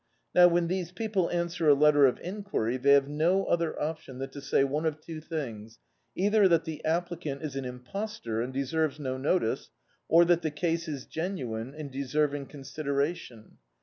Now, when these people answer a letter of enquiry, they have no other option than to say one of two things— either that the applicant is an impostor, and deserves no notice, or that the case is genuine and deserving consideraticm.